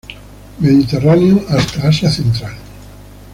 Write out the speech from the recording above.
Mediterráneo hasta Asia central.